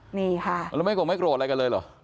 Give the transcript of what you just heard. อ๋อเหรอนี่ค่ะแล้วไม่โกรธอะไรกันเลยเหรอ